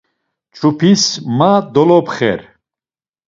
Çupis ma dolopxer.